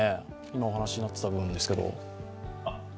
今お話になってた部分ですが。